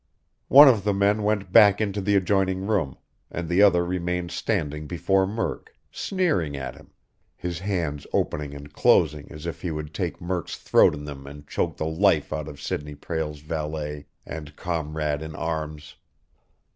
One of the men went back into the adjoining room, and the other remained standing before Murk, sneering at him, his hands opening and closing as if he would take Murk's throat in them and choke the life out of Sidney Prale's valet and comrade in arms.